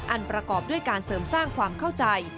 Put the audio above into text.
ประกอบด้วยการเสริมสร้างความเข้าใจ